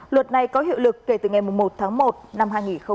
luật này có hiệu lực kể từ ngày một tháng một năm hai nghìn một mươi chín